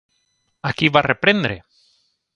A qui va reprendre?